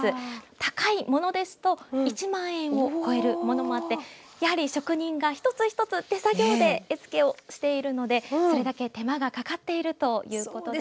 高いものですと１万円を超えるものもあってやはり職人が一つ一つ手作業で絵つけをしているのでそれだけ手間がかかっているということです。